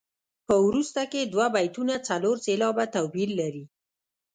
په وروسته کې دوه بیتونه څلور سېلابه توپیر لري.